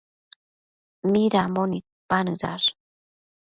Midambo nidpanëdash?